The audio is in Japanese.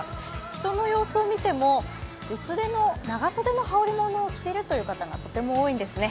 人の様子を見ても、薄手の長袖の羽織り物を着ている方がとても多いんですね。